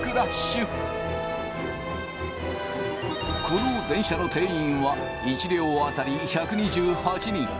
この電車の定員は１両当たり１２８人。